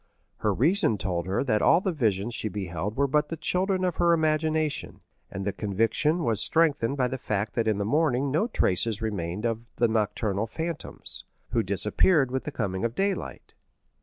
Her reason told her that all the visions she beheld were but the children of her imagination, and the conviction was strengthened by the fact that in the morning no traces remained of the nocturnal phantoms, who disappeared with the coming of daylight.